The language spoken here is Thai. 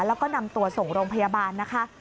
แล้วก็นำตัวส่งโรงพยาบาลนะคะ